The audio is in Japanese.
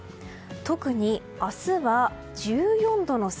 特に明日は１４度の差